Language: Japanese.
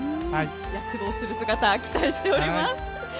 躍動する姿期待しております。